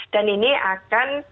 dan ini akan